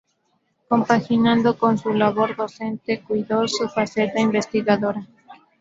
Compaginando con su labor docente, cuidó su faceta investigadora.